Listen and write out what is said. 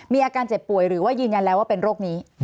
มีอาการเจ็บป่วยหรือว่ายืนยันแล้วว่าเป็นโรคนี้